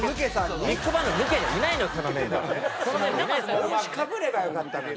帽子かぶればよかったのに。